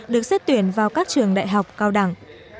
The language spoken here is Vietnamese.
được xét tuyển vào các trường đại học cao đẳng